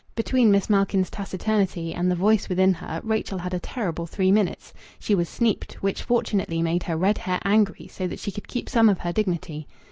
Between Miss Malkin's taciturnity and the voice within her Rachel had a terrible three minutes. She was "sneaped"; which fortunately made her red hair angry, so that she could keep some of her dignity.